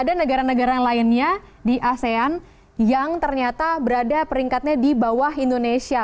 ada negara negara lainnya di asean yang ternyata berada peringkatnya di bawah indonesia